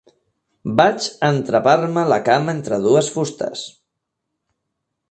Vaig entrapar-me la cama entre dues fustes.